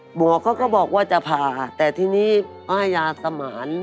หมอเขาก็บอกว่าจะผ่าแต่ทีนี้ป้ายาสมาน